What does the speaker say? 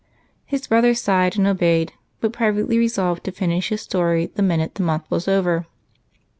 His brother sighed, and obeyed, but privately resolved to finish his story the minute the month was over.